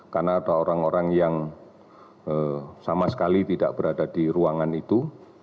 karena ada orang orang yang sama sekali tidak berada di ruangan itu